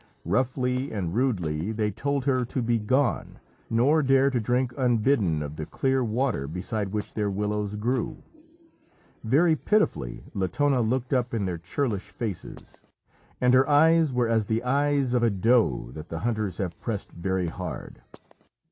Roughly and rudely they told her to begone, nor dare to drink unbidden of the clear water beside which their willows grew. Very pitifully Latona looked up in their churlish faces, and her eyes were as the eyes of a doe that the hunters have pressed very hard.